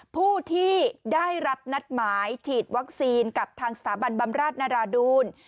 ผู้ที่ได้รับนัดหมายฉีดวัคซีนกับทางสถาบันบำราชนราดูล